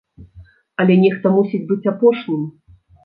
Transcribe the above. Але нехта мусіць быць апошнім.